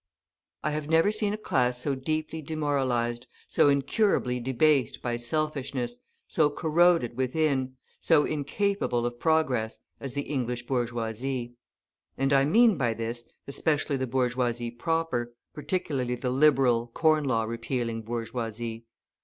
I have never seen a class so deeply demoralised, so incurably debased by selfishness, so corroded within, so incapable of progress, as the English bourgeoisie; and I mean by this, especially the bourgeoisie proper, particularly the Liberal, Corn Law repealing bourgeoisie.